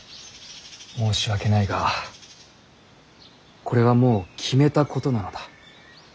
申し訳ないがこれはもう決めたことなのだ。